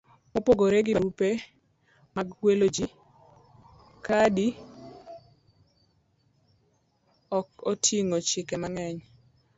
Mopogore gi barupe mag gwelo ji, kadgi ok oting'o chike mang'eny: